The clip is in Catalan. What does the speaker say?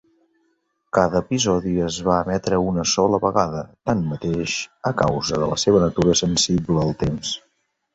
Cada episodi es va emetre una sola vegada, tanmateix, a causa de la seva natura sensible al temps.